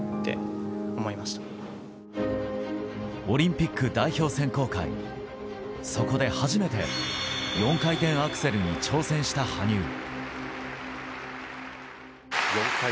オリンピック代表選考会、そこで初めて４回転アクセルに挑戦した羽生。